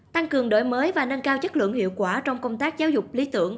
tăng cường đổi mới và nâng cao chất lượng hiệu quả trong công tác giáo dục lý tưởng